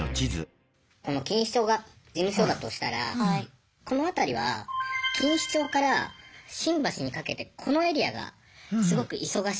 錦糸町が事務所だとしたらこの辺りは錦糸町から新橋にかけてこのエリアがすごく忙しい激戦区なんですね。